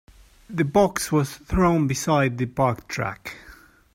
The box was thrown beside the parked truck.